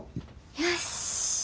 よし。